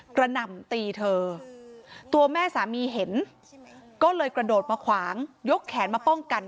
หน่ำตีเธอตัวแม่สามีเห็นก็เลยกระโดดมาขวางยกแขนมาป้องกัน